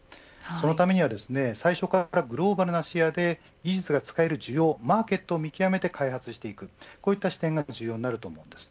そのためには最初からグローバルな視野で技術が使える需要マーケットを見極めて開発していくこういった視点が重要です。